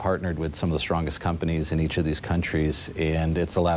แล้วเกี่ยวกับเมืองไทยที่เขินกับเมืองไทย